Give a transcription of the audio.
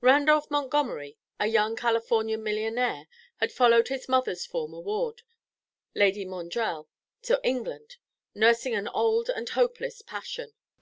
Randolph Montgomery, a young Californian millionaire, had followed his mother's former ward, Lady Maundrell, to England, nursing an old and hopeless passion.